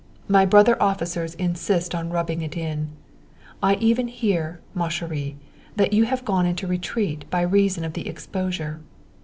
My brother officers insist on rubbing it in. I even hear, ma chérie, that you have gone into retreat by reason of the exposure.